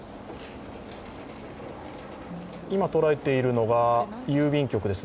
今、捉えているのが郵便局です。